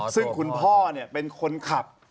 ซึ่งคุณพ่อเป็นคนขับ